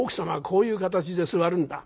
こういう形で座るんだ。